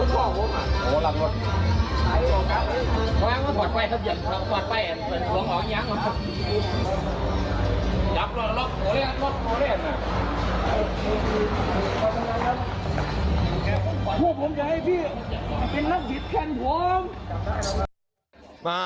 พวกผมจะให้พี่เป็นนักบิดแทนผม